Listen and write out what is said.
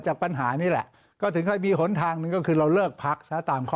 จากปัญหานี้แหละก็ถึงให้มีหนึ่งก็คือเราเลิกพักตามข้อ